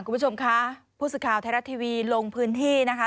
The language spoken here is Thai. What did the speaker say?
คุณผู้ชมคะผู้สื่อข่าวไทยรัฐทีวีลงพื้นที่นะคะ